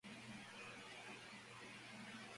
Cuando "三" es tres.